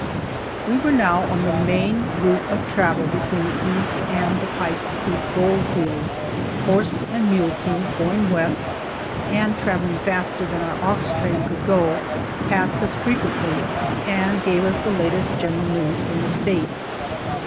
We were now on the main route of travel between the East and the Pike's Peak gold fields. Horse and mule teams going West, and traveling faster than our ox train could go, passed us frequently, and gave us the latest general news from the States.